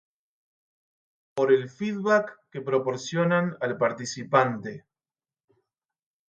Por el Feedback que proporcionan al participante.